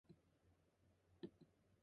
Richens and Haumono are no longer together.